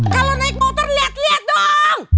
kalau naik motor lihat lihat dong